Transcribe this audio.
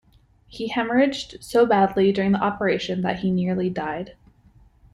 He haemorrhaged so badly during the operation that he nearly died.